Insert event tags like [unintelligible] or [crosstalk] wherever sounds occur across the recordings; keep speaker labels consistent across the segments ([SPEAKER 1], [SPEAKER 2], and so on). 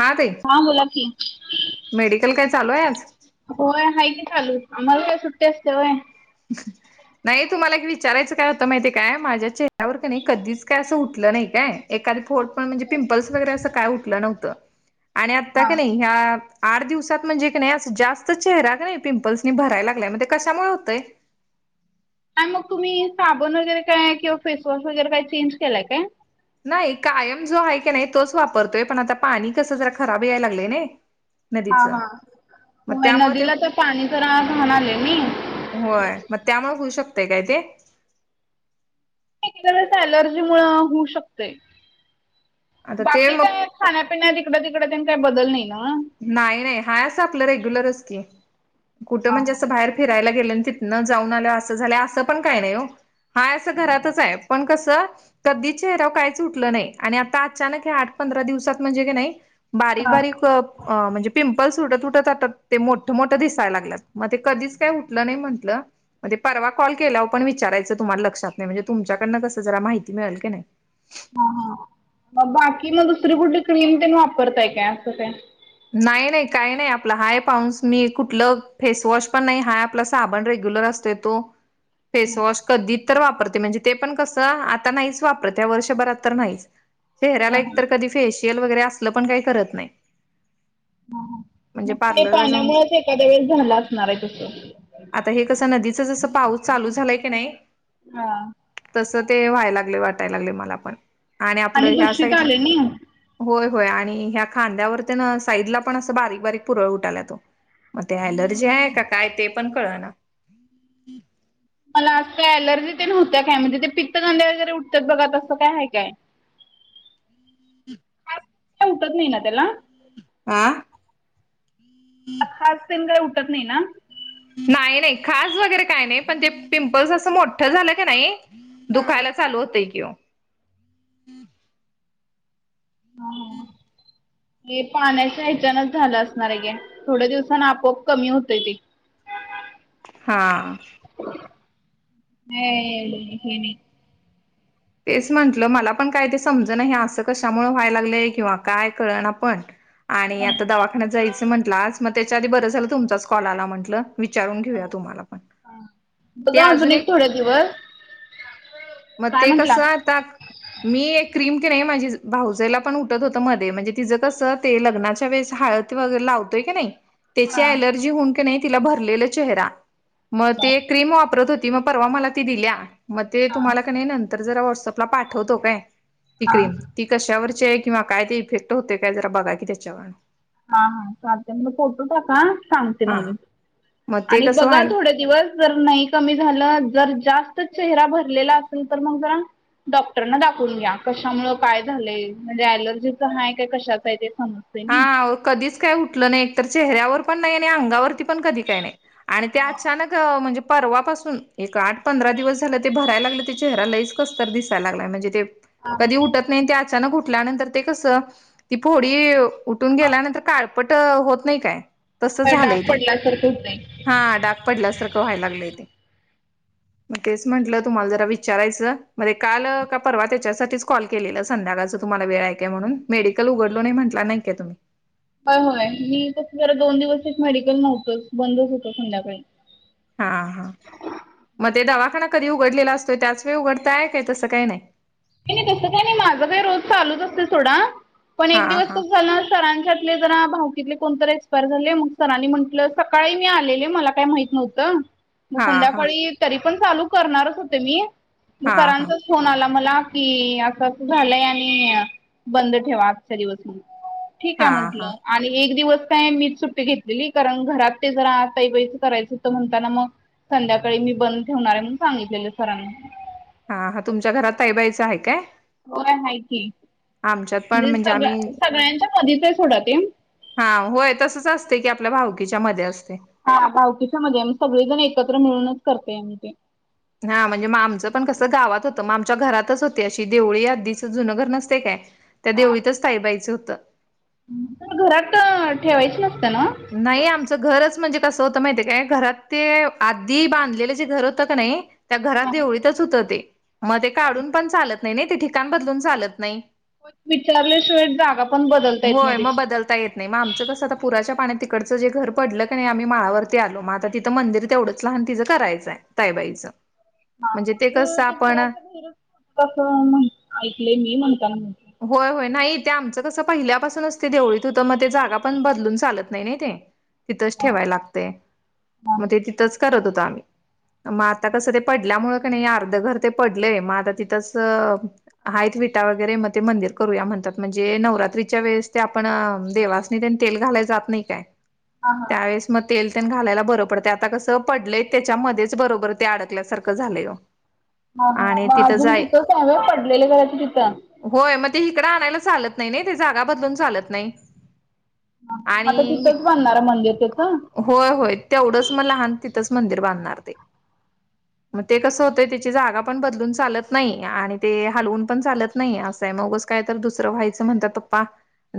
[SPEAKER 1] हा ताई.
[SPEAKER 2] हां बोला की.
[SPEAKER 1] मेडिकल काय चालू आहे आज.
[SPEAKER 2] होय हाय की चालू, आम्हाला काय सुट्टी असते होय.
[SPEAKER 1] ह [inaudible] नाही तुम्हाला एक विचारायचं काय होत माहितीय काय, माझ्या चेहऱ्यावर कनी नाही कधीच काय असं उठलं नाही काय, एखादी फो- म्हणजे
[SPEAKER 2] बर.
[SPEAKER 1] पिंपल्स वगैरे अस काय उठलं नव्हतं आणि आता
[SPEAKER 2] हा
[SPEAKER 1] की नाही, - ह्या आठ दिवसात म्हणजे की नाही, अस जास्त चेहरा की नाही पिंपल्स नी भरायला लागलाय म्हण ते कशामुळे होतय?
[SPEAKER 2] आणि मग तुम्ही साबण वगैरे काय किंवा फेसवॉश वगैरे काय, चेंज केलंय काय? -
[SPEAKER 1] नाही, कायम जो आहे की नाही तोच वापरतोय, पण आता पाणी कसं जरा खराब याय लागलंय नाही.
[SPEAKER 2] हा,
[SPEAKER 1] नदीचं
[SPEAKER 2] हा,
[SPEAKER 1] मग त्यामुळे ते
[SPEAKER 2] नदीला तर पाणी तर घाण आल नाही.
[SPEAKER 1] होय, मग त्यामुळे होऊ शकतंय काय ते?
[SPEAKER 2] ते कसं अलर्जी मुळे होऊ शकते,
[SPEAKER 1] आता ते
[SPEAKER 2] बाकी
[SPEAKER 1] मग
[SPEAKER 2] काय- खाण्यापिण्यात ईकडं-तिकडं तेन काय बदल नाही न्हव?
[SPEAKER 1] नाही, नाही, हाय असं आपलं रेग्युलरच की, कुठं
[SPEAKER 2] हा
[SPEAKER 1] म्हणजे अस बाहेर- फिरायला गेले, तिथनं जाऊन आलय असं झाल्या, असं पण काय नाही हो. हाय असं घरातच हाय, पण कसं? - कधी चेहराव काहीच उठलं नाही आणि आता अचानक हे आठ पंधरा दिवसात म्हणजे की नाही-
[SPEAKER 2] हा हा
[SPEAKER 1] बारीक-बारीक- अ म्हणजे, पिंपल्स उठत उठत आता ते मोठं मोठं दिसायला लागल्यात, मग ते कधीच काय उठलं नाही म्हटलं. - म परवा कॉल केलावर पण विचारायचं तुम्हाला लक्षात नाही, म्हणजे तुमच्याकडनं कसं जरा माहिती मिळेल की नाही.
[SPEAKER 2] हा, हा, मग बाकी मग दुसरी कुठली क्रीम तेन वापरताय काय, असं ते?
[SPEAKER 1] नाही, नाही, काही नाही, आपला हाय पाऊन्स मी कुठलं फेसवॉश पण नाही, हाय आपलं साबण रेग्युलर असतोय. तो [unintelligible] फेसवॉश कधीच तर वापरते, म्हणजे ते पण कसं आता नाहीच वापरत वर्षभरात तर नाही.
[SPEAKER 2] हा
[SPEAKER 1] चेहऱ्याला
[SPEAKER 2] हा
[SPEAKER 1] एकतर कधी फेशियल वगैरे असलं पण काही करत नाही.
[SPEAKER 2] ह,
[SPEAKER 1] म्हणजे
[SPEAKER 2] मग काय
[SPEAKER 1] पार्लरला जाऊन
[SPEAKER 2] पाण्यामुळेच एखाद्या वेळेस झाला असणार आहे तसं.
[SPEAKER 1] आता हे कसं, नदीचा जसं पाऊस चालू झालाय की नाही-
[SPEAKER 2] हा.
[SPEAKER 1] तसं, ते व्हायला लागले वाटायला लागले मला पण आणि
[SPEAKER 2] आली
[SPEAKER 1] आपलं ह्या
[SPEAKER 2] दुसरीत
[SPEAKER 1] साईड-
[SPEAKER 2] आले नी
[SPEAKER 1] होय, होय आणि ह्या खांद्यावरती न अस- साईडला पण असं बारीक-बारीक पुरळ उठाल्यात ओ, मग ते अलर्जी हाय, का काय ते पण कळना.
[SPEAKER 2] मला असं काय अलर्जी ते नवत्या काय, म्हणजे ते पित्तगांद्या वगैरे उठत्यात बघा तसं काय हाय काय?
[SPEAKER 1] [inaudible]
[SPEAKER 2] का का उठत नाही ना त्याला [unintelligible]
[SPEAKER 1] आं [unintelligible] हम् [inaudible]
[SPEAKER 2] खाज तेन काय उठत नाही ना?
[SPEAKER 1] नाही, नाही, खाज वगैरे काय नाही, पण ते पिंपल्स असं मोठं झालं की नाही-
[SPEAKER 2] हा
[SPEAKER 1] दुखायला चालू होतय कि ओ. हम् [inaudible]
[SPEAKER 2] हे पाण्याच्या ह्याच्यानच झालं असणार आहे घे. थोड्या दिवसांनी आपोआप कमी होतं ते.
[SPEAKER 1] [inaudible] हा.
[SPEAKER 2] [unintelligible]
[SPEAKER 1] तेच म्हंटलं, मला पण काही ते समजना, हे असं कशामुळे व्हाय लागलंय किंवा काय कळणा पण- आणि आता दवाखान्यात जायचं म्हटलं, आज मग त्याच्या आधी बरं झालं तुमचाच कॉल आला म्हटलं. विचारून घेऊया तुम्हाला पण ते अजून एक-
[SPEAKER 2] कवर [unintelligible]
[SPEAKER 1] मग ते कसं आता मी एक क्रीम कि नाई माझी भाऊजयला पण उठत होतं मध्ये म्हणजे तिचं कसं ते लग्नाच्या वेळेस हाळद वगर लावतोयी नाही [unintelligible] त्याची
[SPEAKER 2] हा
[SPEAKER 1] अलर्जी होऊन की नाही तिला भरलेला चेहरा मग ते क्रीम वापरत हो- ती म परवा मला ती दिल्या म ते तुम्हाला का नाई नंतर जरा व्हॉट्सअपला पाठवतो काय. ती
[SPEAKER 2] हा
[SPEAKER 1] क्रीम ती कशावरची आहे किंवा काय ते इफेक्ट होते काय जरा बघा कि त्याच्यावर.
[SPEAKER 2] हां हा चालतंय म फोटो टाका सांगते
[SPEAKER 1] हा
[SPEAKER 2] मग मी
[SPEAKER 1] मग ते
[SPEAKER 2] आणि
[SPEAKER 1] कसं
[SPEAKER 2] बघा
[SPEAKER 1] व्हायला
[SPEAKER 2] थोडे दिवस भर नाई कमी झालं जर जास्त चेहरा भरलेला असेल तर मग जरा डॉक्टरना दाखवून घ्या, कशामुळं काय झालंय म्हणजे अलर्जीचं हाय काय कशाच आहे ते सम
[SPEAKER 1] हां कधीच काय उठलं नाही एक तर चेहऱ्यावर पण नाही आणि अंगावर पण कधी काही नाई आणि ते अचानक म्हणजे परवापासून एक आठ पंधरा दिवस झालं ते भरायला लागलं ते चेहरा लहीच कसतर दिसाय लागलाय म्हणजे ते
[SPEAKER 2] हा
[SPEAKER 1] कधी उठत नई ते अचानक ऊटल्यानंतर ते कस ती फोडी ठून गेल्यानंतर काळपट होत नाही काय तस
[SPEAKER 2] डाग
[SPEAKER 1] झालंय ते.
[SPEAKER 2] पडल्यासारखं होतंय.
[SPEAKER 1] हां डाग पडला सारखं व्हाय लागलंय ते. म तेच म्हंटलं तुम्हाला जरा विचारायचं [unintelligible] मण काल का परवा त्याच्यासाठीच कॉल केलेलं संध्याकाळच तुम्हाला वेळ आय काय म्हणून मेडिकल उघडलो नाही म्हटला नाय का तुम्ही.
[SPEAKER 2] ह होय मी तस जरा दोन दिवसच मेडिकल नव्हतंच बंदच होतं संध्याकाळी.
[SPEAKER 1] हां हा म ते दवाखाना कधी उघडलेला असतोय त्याच वेळ उघडताय आहे काय तसं काही नाही.
[SPEAKER 2] नाई नाई तसं काही नाही माझं काही रोज चालूच असत सोडा पण
[SPEAKER 1] हा
[SPEAKER 2] एक दिवस
[SPEAKER 1] हा
[SPEAKER 2] खूप झाल ना सरांच्या प्ले जरा भावकीतले कोणतर एक्सपायर झाले मग सरांनी म्हंटलं सकाळी मी आलेले मला काही माहित नव्हतं म
[SPEAKER 1] हा हा
[SPEAKER 2] संध्याकाळी तरी पण चालू करणारच होते मी म
[SPEAKER 1] हा हा
[SPEAKER 2] सरांचा फोन आला मला कि असं अस झालंय आणि बंद ठेवा आजच्या दिवस. ठीक
[SPEAKER 1] हा
[SPEAKER 2] काय
[SPEAKER 1] हा
[SPEAKER 2] म्हटलं. आणि एक दिवस काय मीच सुट्टी घेतलेली कारण घरात ते जरा तैबायचं करायचं तर म्हणताना म. संध्याकाळी मी बंद ठेवणार आहे म्हण सांगितलेलं सरांनी.
[SPEAKER 1] हां हा तुमच्या घरात तैबायचं हाय काय.
[SPEAKER 2] ब आहे क
[SPEAKER 1] आमच्यात
[SPEAKER 2] [unintelligible]
[SPEAKER 1] पण
[SPEAKER 2] म्हणजे
[SPEAKER 1] आम्ही
[SPEAKER 2] सगळ सगळ्यांच्या मधच सोडते ये.
[SPEAKER 1] हां होय तसच असतय की आपल्या भाऊकीच्या मध्ये असते.
[SPEAKER 2] हा भावकीच्या मध्ये सगळेजण एकत्र मिळूनच करते आमी ते.
[SPEAKER 1] हां म्हणजे म आमचं पण कसं गावात होतं म आमच्या घरातच होती अशी देवळी आधीचं जुनं घर नसते काय. त्या देवळीतच ताईबाईचं होतं.
[SPEAKER 2] त घरात ठेवायच नसत ना?
[SPEAKER 1] नाही आमचं घरच म्हणजे कसं होतं माहितेय काय घरात ते आधी बांधलेलं जे घर होतं का नाई त्या घरात
[SPEAKER 2] हा.
[SPEAKER 1] देवळीतच होतं ते म ते काढून पण चालत नाही नाही ते ठिकाण बदलून चालत नाही.
[SPEAKER 2] विचारल्याशिवाय जागा पण बदलता येत नाही देशील.
[SPEAKER 1] नाई म आमचं कस आता पुराच्या पाण्या तिकडचं जे घर पडलं क नाई आम्ही माळावरती आलो मग आता तिथं मंदिर तेवढंच लहान तिचं करायचंय ताईबाईचं. म्हणजे ते कसं आपण.
[SPEAKER 2] कसं, मंग ऐकलेय मी म्हणताना.
[SPEAKER 1] होय होय नाही ते आमचं कसं पहिल्यापासूनच ते देवळीत होतं मग ते जागा पण बदलून चालत नाही नय काय. तिथंच ठेवाय लागतय, म ते तिथंच करत होतो आम्ही. म आता कसं ते पडल्यामुळं कनई आर्ध घर ते पडलेय म आता तिथंच आहेत विटा वगैरे म ते मंदिर करूया म्हणतात म्हणजे नवरात्रीच्या वेळेस ते आपण देवासनी तेल घालायला जात नाही काय.
[SPEAKER 2] हा हा.
[SPEAKER 1] त्यावेळेस म तेल तेन घालायला बरं पडतेय आता कसं पडलंय त्याच्यामध्येच बरोबर ते अडकल्यासारखं झालंय आओ. ह [inaudible]
[SPEAKER 2] हा हा म आजून तिथं स हाय वय पडलेले घराचे तिथ.
[SPEAKER 1] होय मग ते इकडं आणायला चालत नाही ते जागा बदलून चालत नाही.
[SPEAKER 2] आता
[SPEAKER 1] आणि
[SPEAKER 2] तिथंच बांधणार म्हणजे तिथं
[SPEAKER 1] होय होय तेवढंच म लहान तिथंच मंदिर बांधणार ते. म ते कसं होतंय त्याची जागा पण बदलून चालत नाही आणि ते हलवून पण चालत नाई असंय म ऊगच काय तर दुसरं व्हायचं म्हणतात पप्पा.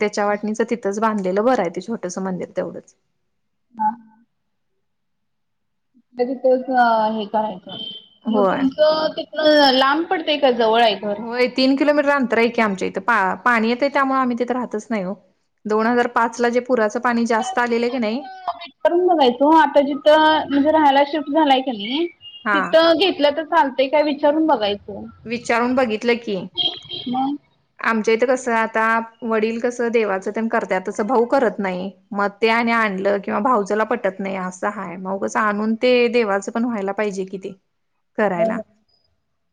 [SPEAKER 1] त्याच्या वाटणीचं तिथंच बांधलेलं बरं आहे ते छोटंसं मंदिर तेवढंच.
[SPEAKER 2] तरी तेच हे करायचं, मग
[SPEAKER 1] होय
[SPEAKER 2] तुमचं तितन लांब पडतंय का जवळ आहे घर?
[SPEAKER 1] होय तीन किलोमीटर अंतर आहे की आमच्या इथं पाणी येत आहे त्यामुळे आम्ही तिथे राहतच नाही हो दोन हजार पाच ला जे पुराचं पाणी जास्त आलेलं आहे की नाही?
[SPEAKER 2] मीट करून बघाय ओ आता जिथं म्हणजे राहायला शिफ्ट झालाय का नाही
[SPEAKER 1] हा
[SPEAKER 2] तिथं घेतलं तर चालतय काय विचारून बघायचं
[SPEAKER 1] विचारून बघितलं की,
[SPEAKER 2] मग
[SPEAKER 1] आमच्या इथं कसं आता वडील कसं देवाचं ते करतय तसं भाऊ करत नाही. मग ते आणि आणलं किंवा भाऊजला पटत नाही असं हाय मगच आणून ते देवाचं पण व्हायला पाहिजे कि ते करायला.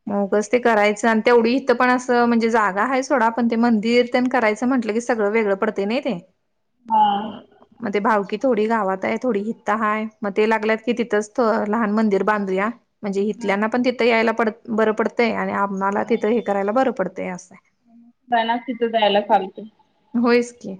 [SPEAKER 1] मगच ते करायचं आणि तेवढी इथं पण असं म्हणजे जागा आहे सोडा पण ते मंदिर करायच म्हनल की सगळ वेगळं पडत नाही
[SPEAKER 2] हा.
[SPEAKER 1] ते भावं थोडी गावात आहे थोडी हित हा मग ते लागल्यात की तिथंच लहान मंदिर बांधूया, म्हणजे हितल्याना पण तिथं यायला पड बरं पड ते आणि आम्हाला तिथं हे करायला बरं पडतंय असं.
[SPEAKER 2] जा ना तिथं जायला चालतय.
[SPEAKER 1] होयच की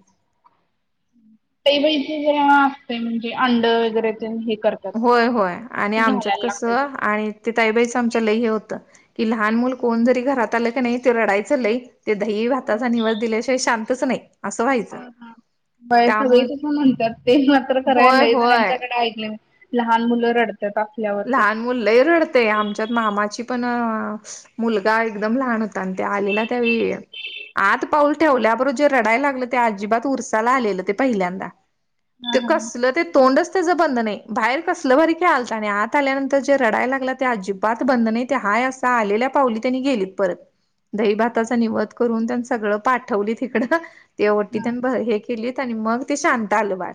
[SPEAKER 2] तेैेव असते म्हणजे अंड वगैरे ते हे करत.
[SPEAKER 1] होय होय आणि आमच्यात कसं
[SPEAKER 2] ते.
[SPEAKER 1] आणि ते ताईबाईचं आमच लय हे होतं की लहान मुल कोण जरी घरात आलं की नाही ते रडायचं लय ते दही भाताचा निवद दिल्याशिवाय शांतच नाही. असं व्हायचं
[SPEAKER 2] व्हय सगळी
[SPEAKER 1] त्यामुळे
[SPEAKER 2] तस म्हणतात ते मात्र करायला
[SPEAKER 1] होय
[SPEAKER 2] नाही
[SPEAKER 1] होय
[SPEAKER 2] त्यांच्याकडे ऐकले म लहान मुलं रडतात असल्यावरती.
[SPEAKER 1] लहान मुललंही रडतय आमच्यात मामाची पण मुलगा एकदम लहान होता आणि ते आलेला त्यावे आत पाऊल ठेवल्याबरोबर जे रडाय लागलं ते अजिबात उरसाला आलेलं ते पहिल्यांदा.
[SPEAKER 2] हा
[SPEAKER 1] ते
[SPEAKER 2] हा.
[SPEAKER 1] कसलं ते तोंडच त्याचं बंद नाही बाहेर कसलं भरी खळालता आणी आत आल्यानंतर जे रडाय लागला ते अजिबात बंद नाही ते हा असा आलेल्या पावली त्यांनी गेलीत परत. दही भाताचा निवध करून त्यांनी सगळं पाठवली तिकडं ते वटी त्यां हे केलीत आणि मग ते शांत आलं बाळ.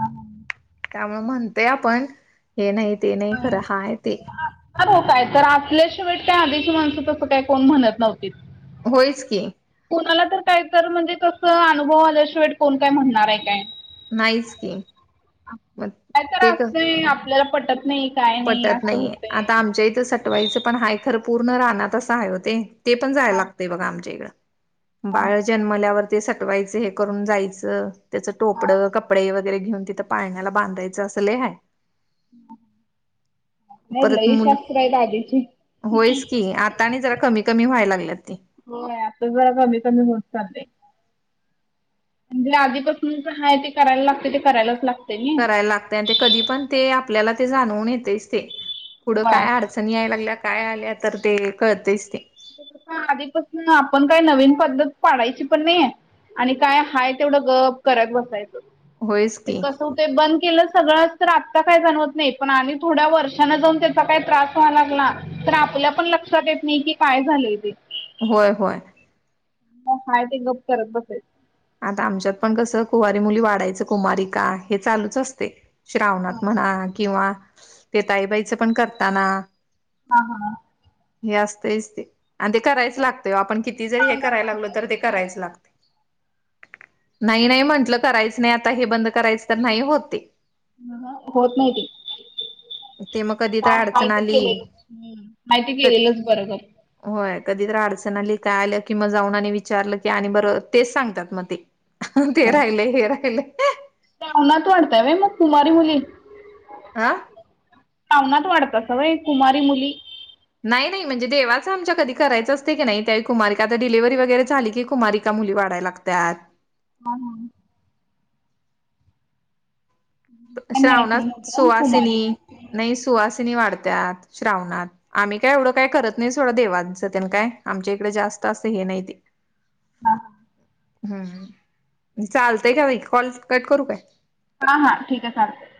[SPEAKER 2] हम
[SPEAKER 1] त्यामुळे म्हणतय आपण हे नाही ते नाही
[SPEAKER 2] होय
[SPEAKER 1] खरं हाय ते.
[SPEAKER 2] असणार हो काय तर आसल्याशिवाय काय आधीची माणसं तसं काय कोण म्हणत नव्हती
[SPEAKER 1] होयच की
[SPEAKER 2] कोणाला तर काय तर म्हणजे तस अनुभव आल्याशिवाय कोण काय म्हणणार आहे काय?
[SPEAKER 1] नाहीच की मग
[SPEAKER 2] काय तर
[SPEAKER 1] ते क
[SPEAKER 2] असतय आपल्याला पटत नाही. काय नाही असं होतय.
[SPEAKER 1] जाई तर टवायचं पण हय खरं पूर्ण राणात असं हाय ओ ते पण जायला
[SPEAKER 2] हा
[SPEAKER 1] लागतंय बघा आमच्या इकडं बाळ जन्मल्यावर ते सटवायच हे करून जायचं त्याच
[SPEAKER 2] हा
[SPEAKER 1] टोपडं कपडे वगैरे घेऊन तिथं पाळण्याला बांधायचं. अस लई हाय.
[SPEAKER 2] नाही
[SPEAKER 1] परत
[SPEAKER 2] लई
[SPEAKER 1] मुलं
[SPEAKER 2] शास्त्र आहे द आधीची.
[SPEAKER 1] होयच की आता आणि जरा कमी कमी व्हाय लागल्यात ती.
[SPEAKER 2] आताच बरा कमी कमी होत चाल म्हणजे आधीपासूनच हय ते करायला लागते ते करायलाच लागत
[SPEAKER 1] करायला लागते आणि ते कधी पण ते आपल्याला ते जाणवून येतच ते पुढं
[SPEAKER 2] होय.
[SPEAKER 1] काय अडच नी याय लागल्या काय आल्या, तर ते कळतयचं ते.
[SPEAKER 2] हा, आधीपासून आपण काही नवीन पद्धत पाडायची पण नाही. आणि काय हाय तेवढं गप करत बसायचं.
[SPEAKER 1] होयचं, की.
[SPEAKER 2] कसं तु ते बंद केलं सगळंच तर, आत्ता काय जाणवत नाही पण आणि थोड्या वर्षान जाऊन काही त्रास व्हाय लागला तर, आपल्या पण लक्षात येत नाही की काय झालंय तेे.
[SPEAKER 1] होय होय.
[SPEAKER 2] हाय, ते गप्प करत बसायचं.
[SPEAKER 1] आता आमच्यात पण कसं कुवारी मुली वाढायचं कुमारी का हे चालूच असतय. श्रावणात म्हणा किंवा ते ताईबाईचं पण करताना.
[SPEAKER 2] हा हा.
[SPEAKER 1] हे असतच ते आणि ते करायच लागतंय, आपण किती जरी हे करायला लागलो, तर ते करायच लागतय. नाही नाही, म्हटलं करायचं नाही आता हे बंद करायचं तर नाही होत ते.
[SPEAKER 2] ह ह होत नाही, ते.
[SPEAKER 1] ते मग कधी तर
[SPEAKER 2] का
[SPEAKER 1] अडचण
[SPEAKER 2] माहिती
[SPEAKER 1] आली
[SPEAKER 2] केलेलं, माहिती
[SPEAKER 1] क
[SPEAKER 2] केलेलंच बरोबर.
[SPEAKER 1] होय, कधीतर अडचण आली काय आल्या कि, मग जाऊन आणि विचारलं की आणि परत तेच सांगतात मग तेे. ते राहिलय हे राहिलय.
[SPEAKER 2] श्रावणात वाढताय होय, मग कुमारी मुली?
[SPEAKER 1] आ.
[SPEAKER 2] श्रावणात वाढतासा होय, कुमारी मुली.
[SPEAKER 1] नाही नाही म्हणजे देवाचं आमच्या कधी करायचं असतयं कनय त्यावेळी, कुमारीका आता डिलिव्हरी वगैरे झाली की कुमारीका मुली वाढायला लागतात. लागत्यात.
[SPEAKER 2] हा हा. मी
[SPEAKER 1] श्रावणात
[SPEAKER 2] ऐकलं नव्हतं कुमारी
[SPEAKER 1] सुवासिनी नाही, सुवासिनी वाढत्यात श्रावणात. आम्ही काय एवढं काय करत नाही, सोडा देवाचं तेन काय आमच्या इकडे जास्त असं हे नाही तेे.
[SPEAKER 2] हा हा
[SPEAKER 1] हम्म, चालतंय का बाई, कॉल कट करू काय?
[SPEAKER 2] हा हा, ठीक आहे चालतयं.